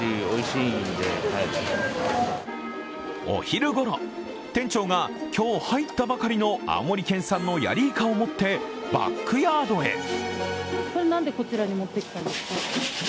お昼ごろ、店長が今日は入ったばかりの青森県産のヤリイカを持ってバックヤードへ。